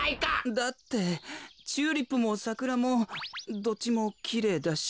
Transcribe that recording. だってチューリップもサクラもどっちもきれいだし。